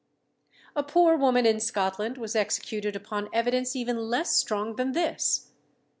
A poor woman in Scotland was executed upon evidence even less strong than this.